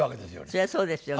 それはそうですよね。